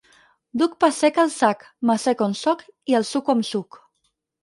Duc pa sec al sac, m'assec on sóc i el suco amb suc.